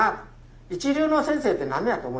一流の先生って何やと思います？